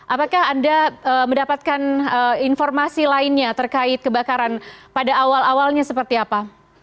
apakah anda mendapatkan informasi lainnya terkait kebakaran pada awal awalnya seperti apa